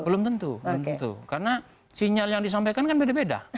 belum tentu karena sinyal yang disampaikan kan beda beda